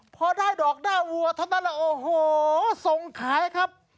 พอได้ดอกหน้าวัวเท่านั้นแหละโอ้โหส่งขายครับ